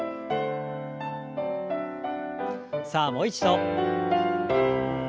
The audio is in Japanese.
さあもう一度。